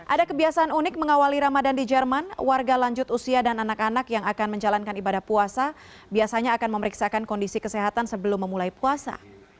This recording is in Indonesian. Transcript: ada kebiasaan unik mengawali ramadan di jerman warga lanjut usia dan anak anak yang akan menjalankan ibadah puasa biasanya akan memeriksakan kondisi kesehatan sebelum memulai puasa